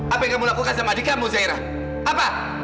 apa yang kamu lakukan sama adik kamu zairah apa